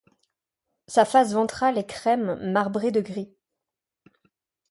Sa face ventrale est crème marbré de gris.